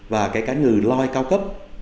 và cái cá ngừ loi cao cấp